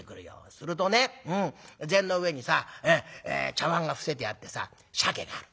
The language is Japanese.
するとね膳の上にさ茶わんが伏せてあってさシャケがある。